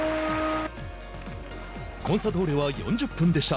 コンサドーレは４０分でした。